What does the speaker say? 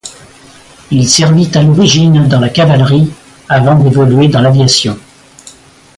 Il servit à l'origine dans la cavalerie, avant d'évoluer dans l'aviation.